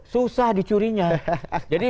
susah dicurinya jadi